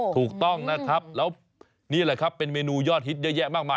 ถูกต้องนะครับแล้วนี่แหละครับเป็นเมนูยอดฮิตเยอะแยะมากมาย